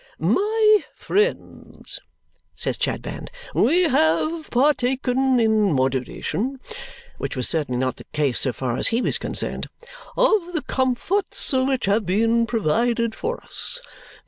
"My friends," says Chadband, "we have partaken in moderation" (which was certainly not the case so far as he was concerned) "of the comforts which have been provided for us.